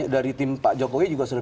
dari tim pak jokowi juga sudah